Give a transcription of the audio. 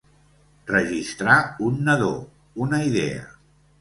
Registrar un nadó, una idea.